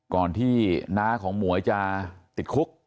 ก่อนที่น้าของหมวยจะติดคุก